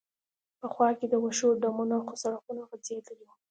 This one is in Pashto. په خوا کې د وښو ډمونه، څو سړکونه غځېدلي و.